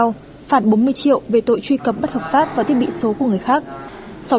phạt bốn mươi triệu đồng về tội truy cập bất hợp pháp vào thiết bị số của người khác